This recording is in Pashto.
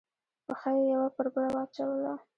پښه یې یوه پر بله واچوله.